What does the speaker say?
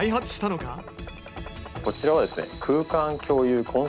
こちらはですね